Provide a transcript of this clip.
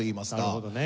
なるほどね。